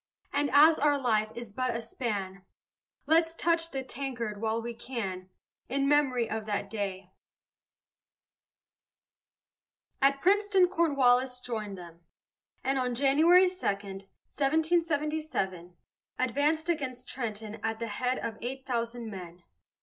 And as our life is but a span, Let's touch the tankard while we can, In memory of that day. At Princeton Cornwallis joined them, and on January 2, 1777, advanced against Trenton at the head of eight thousand men.